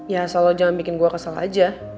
ya so lo jangan bikin gue kesel aja